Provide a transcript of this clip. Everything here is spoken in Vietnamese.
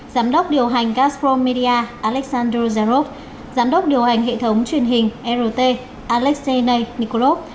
giám đốc điều hành gazprom media alexander zarov giám đốc điều hành hệ thống truyền hình rt alexei microv